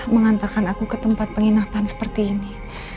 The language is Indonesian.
mengantarkan aku ke tempat penginapan seperti ini